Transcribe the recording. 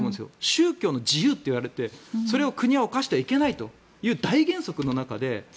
宗教の自由といわれてそれを国は犯してはいけないという大原則の中で。